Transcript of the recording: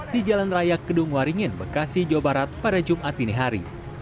di jalan raya kedung waringin bekasi jawa barat pada jumat dini hari